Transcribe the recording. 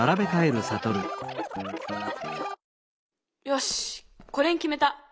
よしこれにきめた！